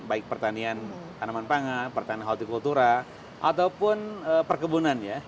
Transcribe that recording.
baik pertanian tanaman pangas pertanian horticultura ataupun perkebunan ya